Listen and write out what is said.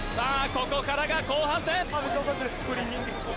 ここからが後半戦！